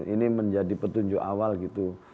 ini menjadi petunjuk awal gitu